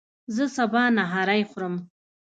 زه سبا نهاری خورم